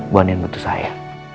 buangin bentuk saya